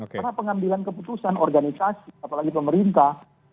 karena pengambilan keputusan organisasi apalagi pemerintah